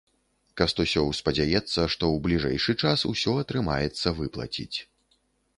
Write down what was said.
Кастусёў спадзяецца, што ў бліжэйшы час ўсё атрымаецца выплаціць.